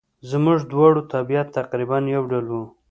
زموږ دواړو طبیعت تقریباً یو ډول وو.